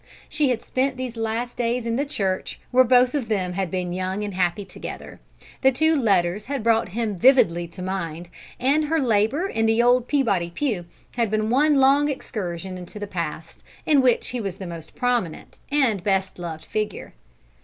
She had spent these last days in the church where both of them had been young and happy together; the two letters had brought him vividly to mind, and her labour in the old Peabody pew had been one long excursion into the past in which he was the most prominent and the best loved figure.